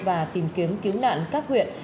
và tìm kiếm cứu nạn các huyện